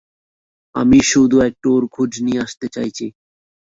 আমি শুধু একটু ওর খোঁজ নিয়ে আসতে চাইছি।